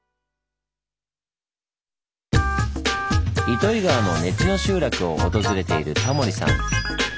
糸魚川の根知の集落を訪れているタモリさん。